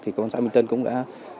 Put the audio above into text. thì công an xã bình tân cũng đã